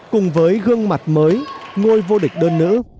cùng với gương mặt mới nuôi vô địch đơn nữ